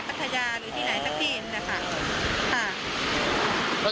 ปัทยาหรือที่ไหนทั้งที่อีกนะคะ